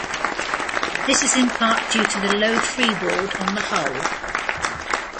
This is in part due to the low freeboard on the hull.